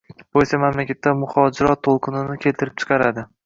bu esa mamlakatda muhojirot to‘lqinini keltirib chiqardi.